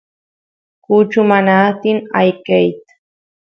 kuchu mana atin ayqeyt